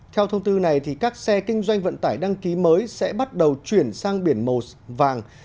theo thông tư này các xe kinh doanh vận tải đăng ký mới sẽ bắt đầu chuyển sang biển màu vàng